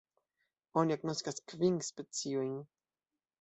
Oni agnoskas kvin speciojn.